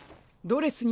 ドレス？